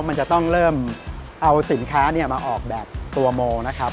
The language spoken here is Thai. มันจะต้องเริ่มเอาสินค้ามาออกแบบตัวโมนะครับ